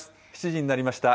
７時になりました。